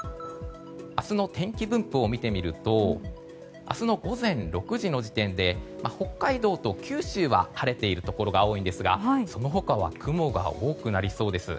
明日の天気分布を見てみると明日の午前６時の時点で北海道と九州は晴れているところが多いんですがその他は雲が多くなりそうです。